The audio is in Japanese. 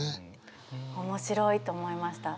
面白いと思いました。